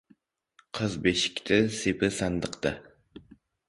• Qiz — beshikda, sepi — sandiqda.